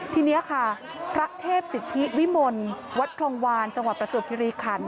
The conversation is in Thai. ทีนี้ค่ะพระเทพศิษฐิวิมลฯวัดผลงวานจังหวัดประจพธิริขันศ์